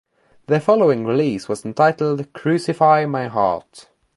Their following release was entitled "Crucify My Heart".